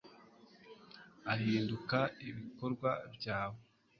ahinduka ibikorwa byawe